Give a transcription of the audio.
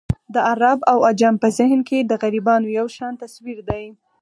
د عرب او عجم په ذهن کې د غربیانو یو شان تصویر دی.